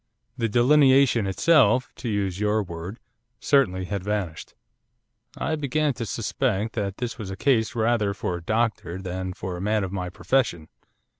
The delineation itself, to use your word, certainly had vanished.' I began to suspect that this was a case rather for a doctor than for a man of my profession.